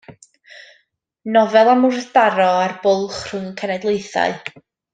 Nofel am wrthdaro a'r bwlch rhwng y cenedlaethau.